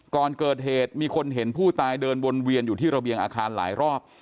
ก่อนเกิดเหตุมีคนเห็นผู้ตายเดินวนเวียนอยู่ที่ระเบียงอาคารหลายรอบ